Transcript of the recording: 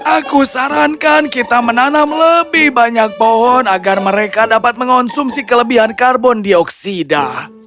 aku sarankan kita menanam lebih banyak pohon agar mereka dapat mengonsumsi kelebihan karbon dioksida